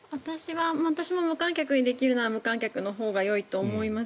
私も無観客にできれば無観客のほうがよいと思います。